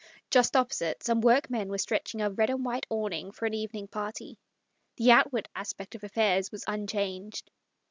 Just opposite some workmen were stretching a red and white awning for an evening party. The outward aspect of affairs was un changed.